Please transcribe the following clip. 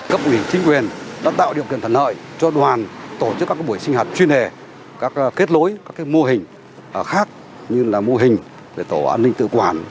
cấp ủy chính quyền đã tạo điều kiện thần hợi cho đoàn tổ chức các buổi sinh hạt chuyên hề các kết lối các mô hình khác như là mô hình về tổ an ninh tự quản